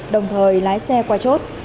đồng thời lái xe qua chốt